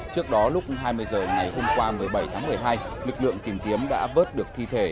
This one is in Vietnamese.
trước đó lúc hai mươi h ngày hôm qua một mươi bảy tháng một mươi hai lực lượng tìm kiếm đã vớt được thi thể